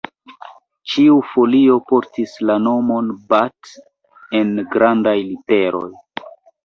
Ĉiu folio portis la nomon Bath en grandaj literoj.